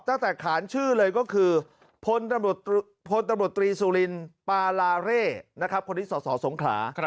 ตั้งแต่ขานชื่อเลยก็คือพลตำรวจตรีสุลินปาราเร่คนที่สสสงขา